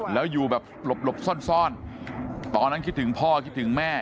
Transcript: แล้วอยู่แบบหลบซ่อนตอนนั้นคิดถึงพ่อคิดถึงแม่